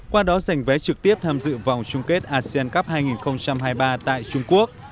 qua đó giành vé trực tiếp tham dự vòng chung kết asean cup hai nghìn hai mươi ba tại trung quốc